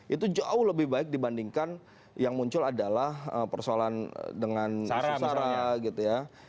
itu jauh lebih baik dibandingkan yang muncul adalah persoalan dengan isu sara gitu ya